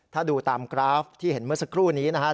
ถ้าดูตามกราฟที่เห็นเมื่อสักครู่นี้นะครับ